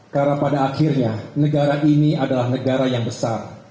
karena pada akhirnya negara ini adalah negara yang besar